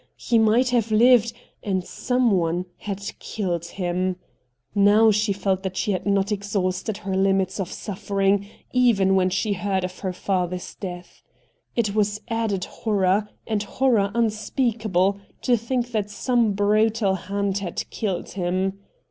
He might have lived — and someone had killed him ! Now she felt that she had not exhausted her limits of suffering even when she heard of her father's death. It was added horror, and horror unspeakable, to think that some brutal hand had killed him.